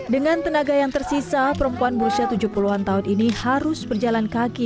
dengan tenaga yang tersisa perempuan berusia tujuh puluh an tahun ini harus berjalan kaki